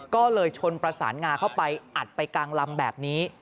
ก็เลยชนประสานงาเข้าไปอัดไปกลางลำแบบนี้